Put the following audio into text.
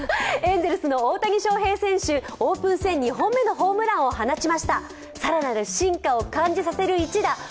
エンゼルスの大谷翔平選手オープン戦２本目のホームランを放ちました更なる進化を感じさせる一打。